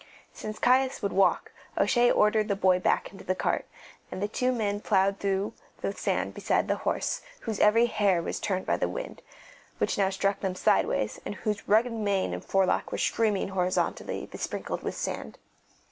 Since Caius would walk, O'Shea ordered the boy back into the cart, and the two men ploughed on through the sand beside the horse, whose every hair was turned by the wind, which now struck them sideways, and whose rugged mane and forelock were streaming horizontally, besprinkled with sand.